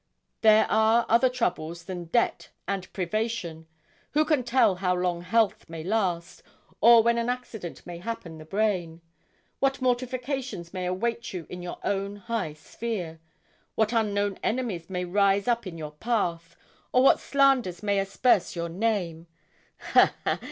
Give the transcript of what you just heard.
There are other troubles than debt and privation. Who can tell how long health may last, or when an accident may happen the brain; what mortifications may await you in your own high sphere; what unknown enemies may rise up in your path; or what slanders may asperse your name ha, ha!